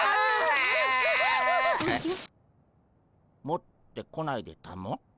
持ってこないでたも？